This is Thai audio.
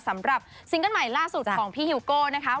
ซิงเกิ้ลใหม่ล่าสุดของพี่ฮิวโก้นะคะ